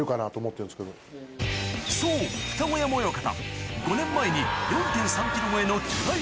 そう二子山親方